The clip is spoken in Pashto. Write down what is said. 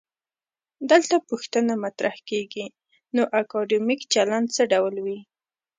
دلته پوښتنه مطرح کيږي: نو اکادمیک چلند څه ډول وي؟